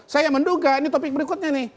saya menduga ini topik berikutnya nih